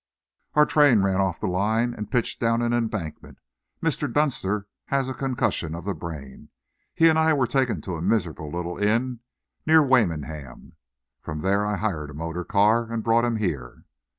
"Our train ran off the line and pitched down an embankment. Mr. Dunster has concussion of the brain. He and I were taken to a miserable little inn near Wymondham. From there I hired a motor car and brought him here."